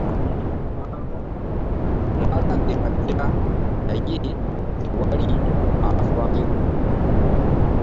Mwalambika dda naye tewali yafaayo.